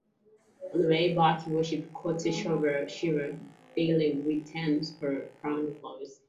On the way back, he worshiped "Koteshwara Shiva" daily with ten crore crown flowers.